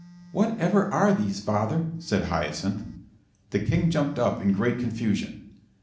"Whatever are these, Father?" said Hyacinth. The King jumped up in great confusion.